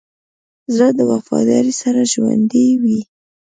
زړه د وفادارۍ سره ژوندی وي.